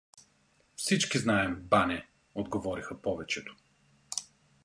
— Всички знаем, бане — отговориха повечето.